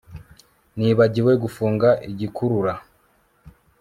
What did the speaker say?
Nibagiwe gufunga igikurura